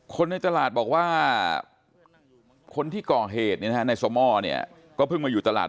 คนในตลาดบอกว่าคนที่ก่อเหตุในสม่อเนี่ยก็เพิ่งมาอยู่ตลาด